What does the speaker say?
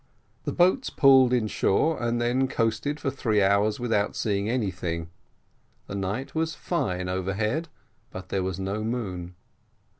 The boats pulled in shore, and then coasted for three hours, without seeing anything: the night was fine overhead, but there was no moon.